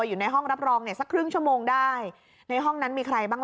อยู่ในห้องรับรองเนี่ยสักครึ่งชั่วโมงได้ในห้องนั้นมีใครบ้าง